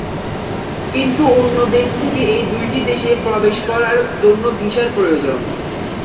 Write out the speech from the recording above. কিন্তু অন্য দেশ থেকে এই দুইটি দেশে প্রবেশ করার জন্য ভিসার প্রয়োজন।